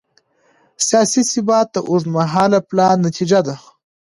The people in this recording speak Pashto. سیاسي ثبات د اوږدمهاله پلان نتیجه ده